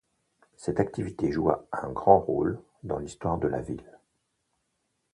Cette activité joua un grand rôle dans l’histoire de la ville.